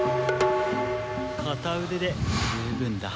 片腕で十分だ。